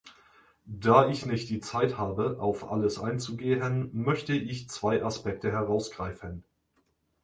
Da ich nicht die Zeit habe, auf alles einzugehen, möchte ich zwei Aspekte herausgreifen.